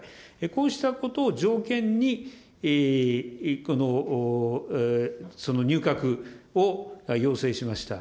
こうしたことを条件に、その入閣を要請しました。